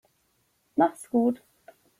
Mach's gut.